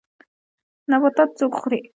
نباتات څوک خوري